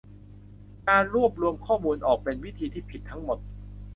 'การรวบรวมข้อมูลออก' เป็นวิธีที่ผิดทั้งหมด